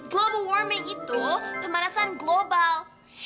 global warming itu pemanasan global